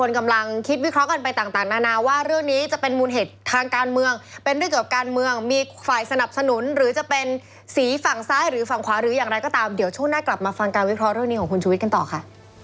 ทางการเมืองเป็นเรื่องเกี่ยวกับการเมืองมีฝ่ายสนับสนุนหรือจะเป็นสีฝั่งซ้ายหรือฝั่งขวาหรืออย่างไรก็ตามเดี๋ยวช่วงหน้ากลับมาฟังการวิเคราะห์เรื่องนี้ของคุณชุวิตกันต่อค่ะ